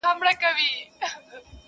ما ویل زه به ټول نغمه، نغمه سم،